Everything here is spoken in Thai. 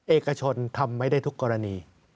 เอกชนทำไม่ได้ทุกกรณี